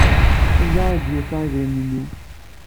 Anda ay d-yufa idrimen-nni?